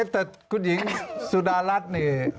แต่คุณหญิงสุดารัฐนี่